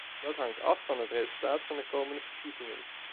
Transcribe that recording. Dat hangt af van het resultaat van de komende verkiezingen.